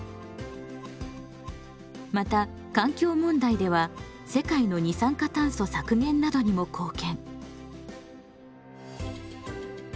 また環境問題では世界の二酸化炭素削減などにも貢献。